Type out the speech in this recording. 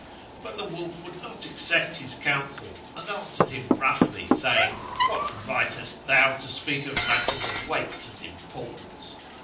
But the wolf would not accept his counsel and answered him roughly, saying, "What right hast thou to speak of matters of weight and importance?"